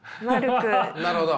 なるほど。